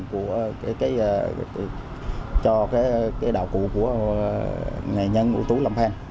cho đạo cụ của nghệ nhân ủ tố lâm phen